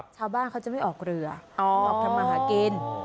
ชาวบ้านเขาจะไม่ออกเรือออกทำมาหากิน